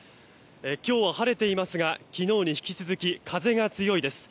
今日は晴れていますが昨日に引き続き、風が強いです。